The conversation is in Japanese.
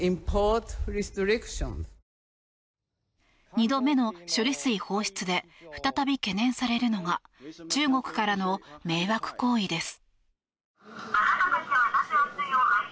２度目の処理水放出で再び懸念されるのが中国からの迷惑行為です。